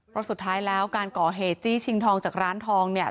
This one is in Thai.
เพราะสุดท้ายแล้วการก่อเหตุจี้ชิงทองจากร้านทองเนี่ย